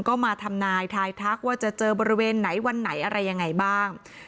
ก็มาทำนายทายทักว่าจะเจอบริเวณไหนวันไหนอะไรยังไงบ้าง